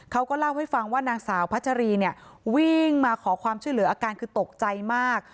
เขาก็เล่าให้ฟังว่านางสาวพัชรีเนี่ยวิ่งมาขอความช่วยเหลืออาการคือตกใจมาก